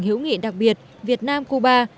chủ nghĩa đặc biệt việt nam cuba